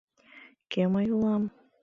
Кӧ мый улам?